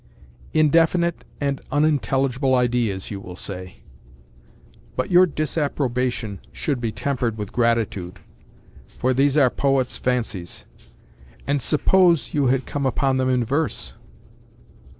Indefinite and unintelligible ideas, you will say; but your disapprobation should be tempered with gratitude, for these are poets’ fancies—and suppose you had come upon them in verse!